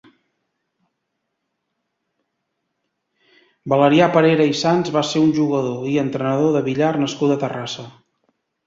Valerià Parera i Sans va ser un jugador i entrenador de billar nascut a Terrassa.